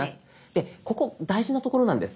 でここ大事なところなんです。